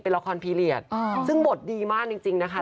เป็นละครพีเรียสซึ่งบทดีมากจริงนะคะ